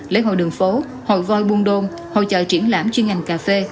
lễ hội đường phố hội voi buôn đôn hội trợ triển lãm chuyên ngành cà phê